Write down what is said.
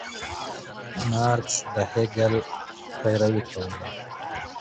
مارکس د هګل پيروي کوله.